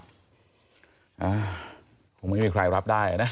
คงไม่มีใครรับได้นะ